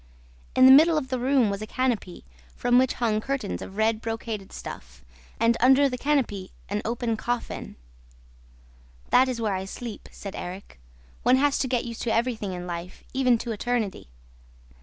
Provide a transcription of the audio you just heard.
In the middle of the room was a canopy, from which hung curtains of red brocaded stuff, and, under the canopy, an open coffin. 'That is where I sleep,' said Erik. 'One has to get used to everything in life, even to eternity.'